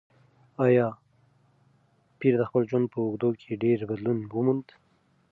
ایا پییر د خپل ژوند په اوږدو کې ډېر بدلون وموند؟